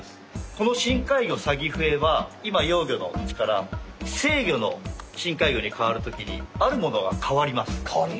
この深海魚サギフエは今幼魚のうちから成魚の深海魚に変わるときにあるものが変わります。